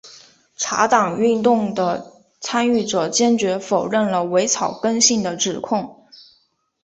茶党运动的参与者坚决否认了伪草根性的指控。